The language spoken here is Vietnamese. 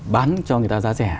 bán cho người ta giá rẻ